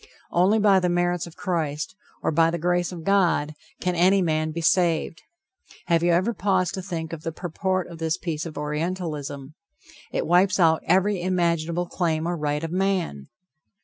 Only by the merits of Christ, or by the grace of God, can any man be saved. Have you ever paused to think of the purport of this piece of Orientalism? It wipes out every imaginable claim or right of man.